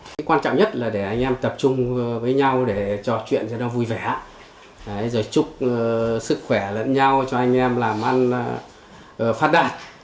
cái quan trọng nhất là để anh em tập trung với nhau để trò chuyện cho nó vui vẻ rồi chúc sức khỏe lẫn nhau cho anh em làm ăn phát đạt